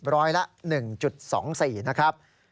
ร้อยละ๑๒๔นะครับ